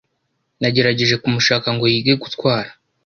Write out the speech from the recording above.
Nagerageje kumushaka ngo yige gutwara.